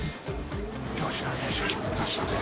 吉田選手来ましたね。